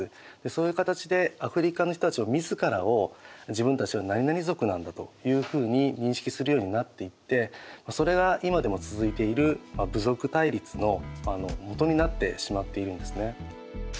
そういう形でアフリカの人たちが自らを自分たちはなになに族なんだというふうに認識するようになっていってそれが今でも続いている部族対立のもとになってしまっているんですね。